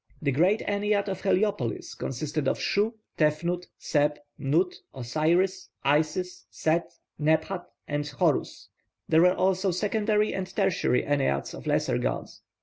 The great ennead of Heliopolis consisted of Shu, Tefnut, Seb, Nut, Osiris, Isis, Set, Nebhat, and Horus; there were also secondary and tertiary enneads of lesser gods.